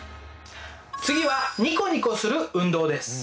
次はニコニコする運動です。